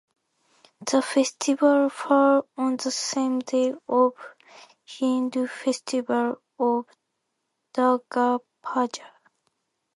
The festival falls on the same day of Hindu festival of Durga Puja.